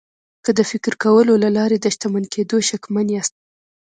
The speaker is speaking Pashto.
که د فکر کولو له لارې د شتمن کېدو شکمن یاست